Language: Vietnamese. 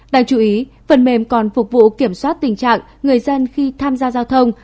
đáng chú ý phần mềm còn phục vụ kiểm soát tình trạng người dân khi tham gia giao thông